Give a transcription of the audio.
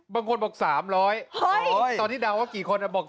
บางคนบอก๓๐๐ตอนที่เดาว่ากี่คนบอก